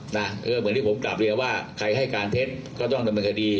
เพราะว่าเหมือนที่ผมกลับเรียนว่าใครให้การเท็จก็ต้องการบังคดี